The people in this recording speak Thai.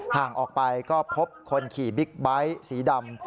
ห่างออกไปก็พบคนขี่บิ๊กไบท์สีดำ